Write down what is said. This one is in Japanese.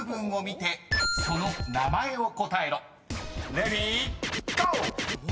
［レディーゴー！］